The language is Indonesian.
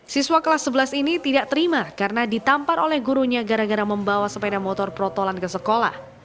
siswa kelas sebelas ini tidak terima karena ditampar oleh gurunya gara gara membawa sepeda motor protolan ke sekolah